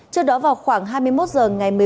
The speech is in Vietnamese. trước đó vào khoảng hai mươi một giờ ngày